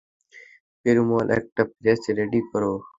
পেরুমল, একটা fresh ready করো।